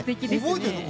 覚えてるの？